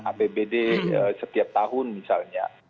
apbd setiap tahun misalnya